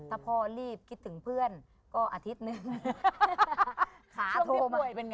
ถ้าพ่อรีบคิดถึงเพื่อนก็อาทิตย์หนึ่อ